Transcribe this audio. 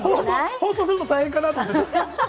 放送するのは大変かなと思って。